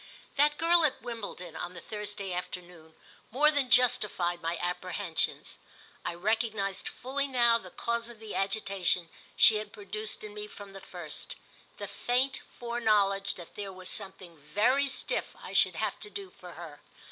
That girl at Wimbledon, on the Thursday afternoon, more than justified my apprehensions. I recognised fully now the cause of the agitation she had produced in me from the first—the faint foreknowledge that there was something very stiff I should have to do for her.